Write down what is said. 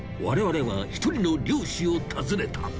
我々は１人の漁師を訪ねた。